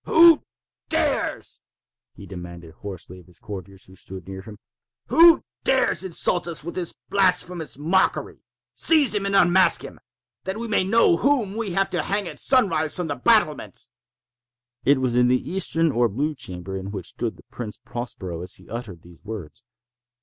"Who dares?" he demanded hoarsely of the courtiers who stood near him—"who dares insult us with this blasphemous mockery? Seize him and unmask him—that we may know whom we have to hang at sunrise, from the battlements!" It was in the eastern or blue chamber in which stood the Prince Prospero as he uttered these words.